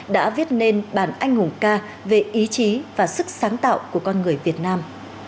đã viết nên bản anh hùng ca về ý chí và sức sáng tạo của con người việt nam